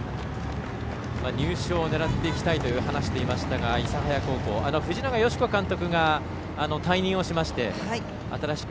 入賞を狙っていきたいと話していました諫早高校は藤永佳子監督が退任をして新しく